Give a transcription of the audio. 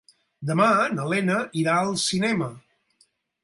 Demà na Lena irà al cinema.